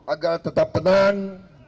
agar tetap tenang